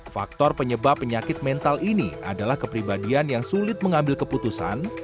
faktor penyebab penyakit mental ini adalah kepribadian yang sulit mengambil keputusan